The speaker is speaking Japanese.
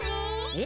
え？